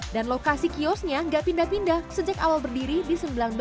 dan lokasi kiosnya gak pindah pindah sejak awal berdiri di seribu sembilan ratus enam puluh tujuh